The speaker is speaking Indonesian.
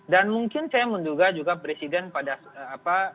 dan mungkin saya menduga juga presiden pada